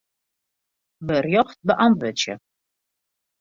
Berjocht beäntwurdzje.